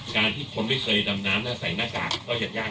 การที่คนไม่เคยดำน้ำและใส่หน้ากากก็จะยาก